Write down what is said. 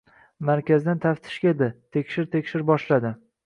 Markazdan taftish keldi. Tekshir-tekshir boshladi.